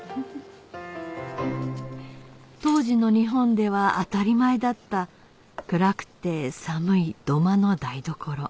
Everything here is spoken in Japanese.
当時の日本では当たり前だった暗くて寒い土間の台所